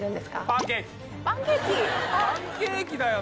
パンケーキだよ